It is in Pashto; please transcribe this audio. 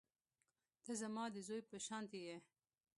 ته زما د زوى په شانتې يې.